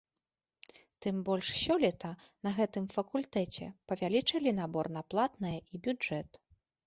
Тым больш сёлета на гэтым факультэце павялічылі набор на платнае і бюджэт.